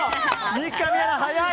三上アナ、早い！